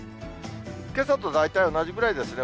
けさと大体同じぐらいですね。